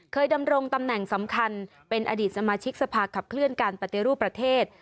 ดำรงตำแหน่งสำคัญเป็นอดีตสมาชิกสภาขับเคลื่อนการปฏิรูปประเทศ